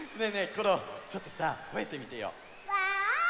コロちょっとさほえてみてよ。ワオーン！